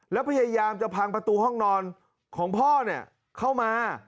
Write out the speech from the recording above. แล้วพยายามจะพังประตูห้องนอนของพ่อเข้ามา